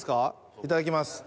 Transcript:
いただきます。